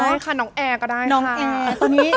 ใช่ค่ะน้องแอร์ก็ได้นะคะ